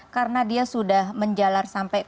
karena dia sudah menjalankan penyakit